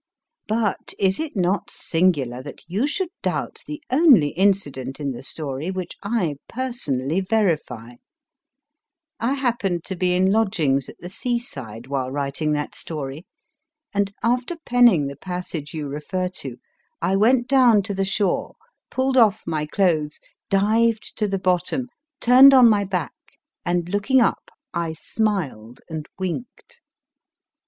But is it not singular that you should doubt the only incident in the story which I personally verify ? I happened to be in lodgings at the sea side while writing that story, and, after penning the passage you refer to, I went down to the shore, pulled off my clothes, dived to the bottom, turned on my back, and, looking up, I smiled and winked.